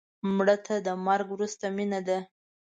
مړه ته د مرګ وروسته مینه ده